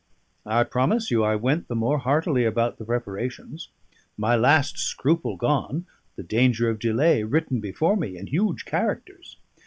I promise you, I went the more heartily about the preparations; my last scruple gone, the danger of delay written before me in huge characters.